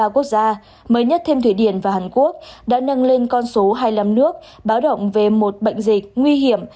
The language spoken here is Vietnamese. hai mươi ba quốc gia mới nhất thêm thủy điển và hàn quốc đã nâng lên con số hai mươi năm nước báo động về một bệnh dịch nguy hiểm